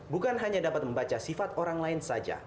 bukan hanya dapat membaca sifat orang lain saja